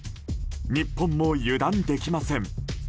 日本も油断できません。